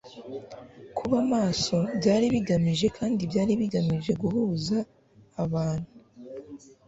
kuba maso byari bigamije kandi byari bigamije guhuza abantu